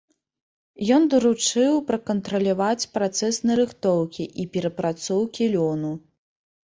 Ён даручыў пракантраляваць працэс нарыхтоўкі і перапрацоўкі лёну.